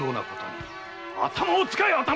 頭を使え！